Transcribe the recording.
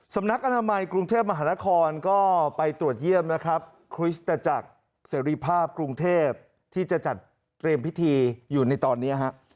สำนักอนามัยกรุงเทพมหานครก็ไปตรวจเยี่ยมนะครับคริสตจักรเสรีภาพกรุงเทพที่จะจัดเตรียมพิธีอยู่ในตอนนี้ฮะ